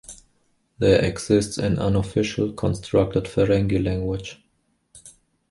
There exists an unofficial constructed Ferengi language.